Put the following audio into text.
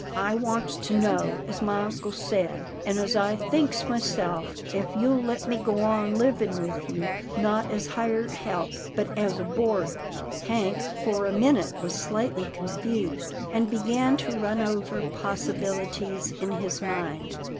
I wants to know as my uncle said, and as I thinks myself, if you'll let me go on livin' with you, not as hired help, but as boarder." Hank for a minute was slightly confused, and began to run over possibilities in his mind.